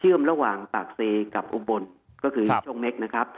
เชื่อมระหว่างปากเซกับอุบลก็คือชงเม็ก